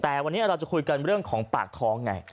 แต่วันนี้เราจะคุยกันเรื่องของปากท้องไง